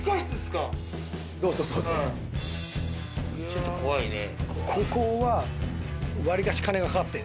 ちょっと怖いね。